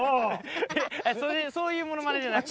そういうモノマネじゃなくて。